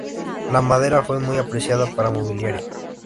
La madera fue muy apreciada para mobiliario.